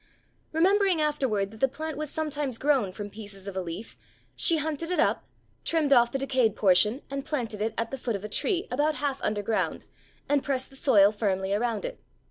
Remembering afterward that the plant was sometimes grown from pieces of a leaf, she hunted it up, trimmed off the decayed portion, and planted it at the foot of a tree, about half under ground, and pressed the soil firmly around it.